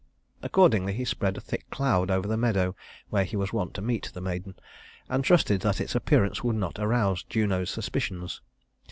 Accordingly he spread a thick cloud over the meadow where he was wont to meet the maiden, and trusted that its appearance would not arouse Juno's suspicions.